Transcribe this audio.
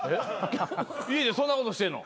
家でそんなことしてんの？